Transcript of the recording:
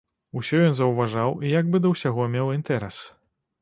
Усё ён заўважаў і як бы да ўсяго меў інтэрас.